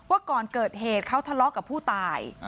ก่อนเกิดเหตุเขาทะเลาะกับผู้ตาย